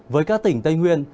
với các tỉnh tây nguyên